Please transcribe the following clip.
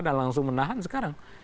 dan langsung menahan sekarang